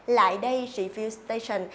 lại đây refuse station